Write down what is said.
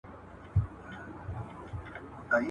• په گورم کي ئې خر نه درلودی، د گوروان سر ئې ور ماتاوه.